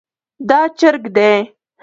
دا چرګ دی